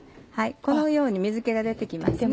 このように水気が出て来ますね。